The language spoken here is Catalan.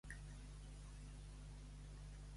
Fa un sol que fa grinyolar els cans.